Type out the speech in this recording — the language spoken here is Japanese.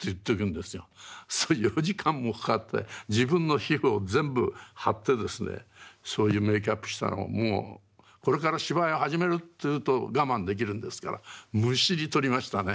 それ４時間もかかって自分の皮膚を全部貼ってですねそういうメーキャップしたらもうこれから芝居を始めるっていうと我慢できるんですからむしり取りましたね。